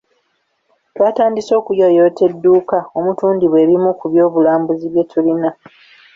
Twatandise okuyooyoota edduuka omutundirwa ebimu ku by’obulambuzi byetulina.